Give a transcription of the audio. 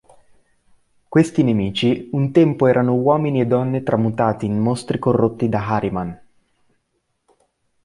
Questi nemici un tempo erano uomini e donne tramutati in mostri corrotti da Ahriman.